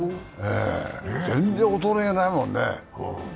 全然衰えないもんな。